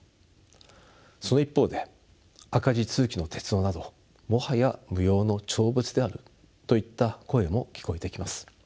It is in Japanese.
その一方で赤字続きの鉄道などもはや無用の長物であるといった声も聞こえてきます。